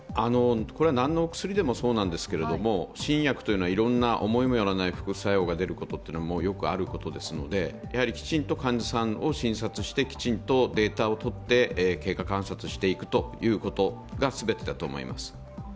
何のお薬でもそうなんですが、新薬というのはいろんな思いもよらない副作用が出ることはよくあることですのできちんと患者さんを観察してきちんとデータをとって経過観察していくということがすべてだと思います。